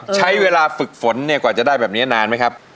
ใช้เวลาฝึกฝนเนี่ยกว่าจะได้แบบนี้นานไหมครับ